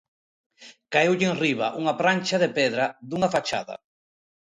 Caeulle enriba unha prancha de pedra dunha fachada.